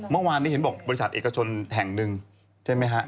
เมื่อวานนี้เห็นบอกบริษัทเอกชนแห่งหนึ่งใช่ไหมฮะ